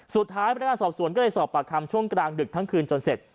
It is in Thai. พนักงานสอบสวนก็เลยสอบปากคำช่วงกลางดึกทั้งคืนจนเสร็จ